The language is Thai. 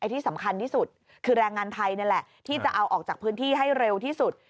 ที่สำคัญที่สุดคือแรงงานไทยนี่แหละที่จะเอาออกจากพื้นที่ให้เร็วที่สุด